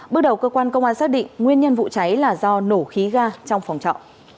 bước đầu cơ quan công an xác định nguyên nhân vụ cháy là do nổ khí ga trong phòng trọ